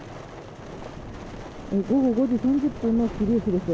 午後５時３０分の桐生市です。